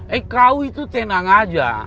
eh kau itu tenang aja